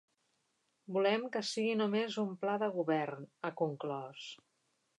Volem que sigui només un pla de govern, ha conclòs.